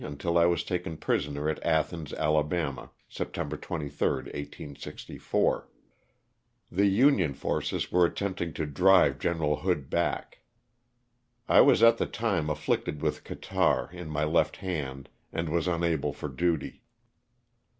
until I was taken prisoner at Athens, Ala., September 23, 1864. The union forces were attempt ing to drive Gen. Hood back. I was at the time afflicted with catarrh in my left hand and was unable for duty.